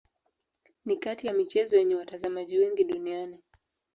Ni kati ya michezo yenye watazamaji wengi duniani.